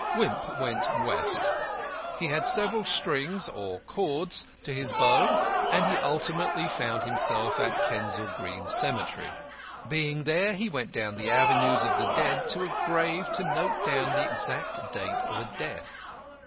Wimp went West. He had several strings (or cords) to his bow, and he ultimately found himself at Kensal Green Cemetery. Being there, he went down the avenues of the dead to a grave to note down the exact date of a death.